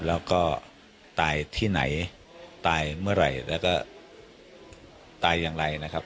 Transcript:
แล้วก็ตายที่ไหนตายเมื่อไหร่แล้วก็ตายอย่างไรนะครับ